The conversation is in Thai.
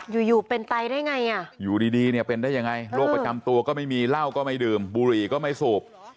อยู่อยู่เป็นไปได้ไงอ่ะอยู่ดีเนี่ยเป็นได้ยังไงโรคประจำตัวก็ไม่มีเหล้าก็ไม่ดื่มบุหรี่ก็ไม่สูบ